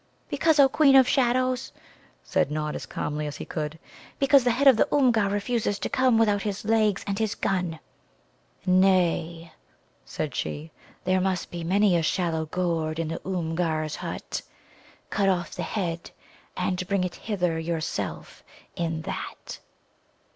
"Because, O Queen of Shadows," said Nod as calmly as he could "because the head of the Oomgar refuses to come without his legs and his gun." "Nay," said she, "there must be many a shallow gourd in the Oomgar's hut. Cut off the head, and bring it hither yourself in that."